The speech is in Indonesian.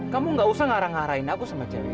kamu gak usah ngarah ngarahin aku sama cewek